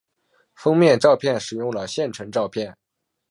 封面照片使用了现成照片。